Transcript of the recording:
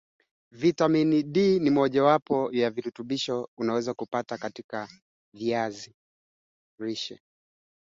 Uharibikaji wa mimba katika kipindi cha mwisho cha mimba miezi mitatu ya mwisho